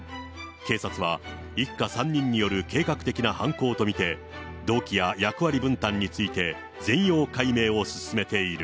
警察は、一家３人による計画的な犯行と見て、動機や役割分担について全容解明を進めている。